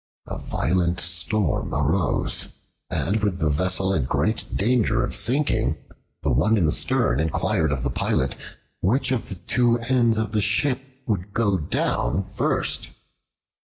A violent storm arose, and with the vessel in great danger of sinking, the one in the stern inquired of the pilot which of the two ends of the ship would go down first.